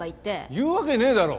言うわけねえだろ！